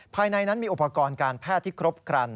ภายในนั้นมีอุปกรณ์การแพทย์ที่ครบครัน